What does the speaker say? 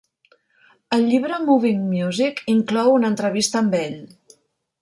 El llibre Moving Music inclou una entrevista amb ell.